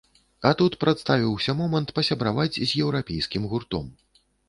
А тут прадставіўся момант пасябраваць з еўрапейскім гуртом.